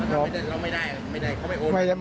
เราไม่ได้เขาไม่โอน